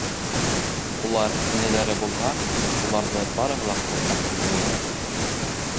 Улар, энәләре булһа, уларҙы барыһы ла ҡурҡа тип уйлайҙар...